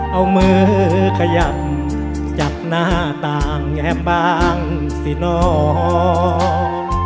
เอามือขยับจับหน้าต่างแงบบ้างสิน้อง